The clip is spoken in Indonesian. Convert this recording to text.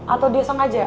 atau dia sanggah aja ya